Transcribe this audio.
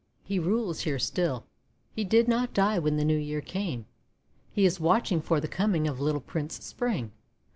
He rules here still. He did not die when the New Year came. He is watching for the coming of little Prince Spring.